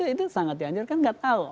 itu sangat dianjur kan enggak tahu